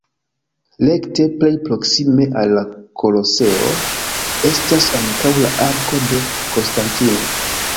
Rekte plej proksime al la Koloseo estas ankaŭ la Arko de Konstantino.